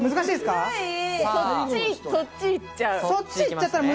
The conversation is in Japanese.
そっち行っちゃう？